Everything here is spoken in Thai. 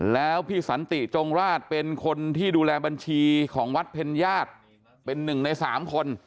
แล้วพี่สันติจงราชเป็นคนที่ดูแลบัญชีของวัดเพ็ญญาติเป็นหนึ่งในสามคน